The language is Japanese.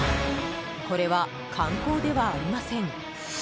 これは観光ではありません。